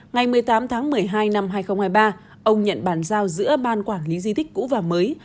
ngày một mươi tám tháng một mươi hai năm hai nghìn hai mươi ba ông nhận bàn giao giữa ban quản lý di tích cũ và mới